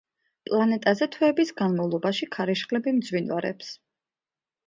პლანეტაზე თვეების განმავლობაში ქარიშხლები მძვინვარებს.